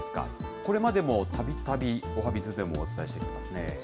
これまでもたびたびおはＢｉｚでもお伝えしてきましたね。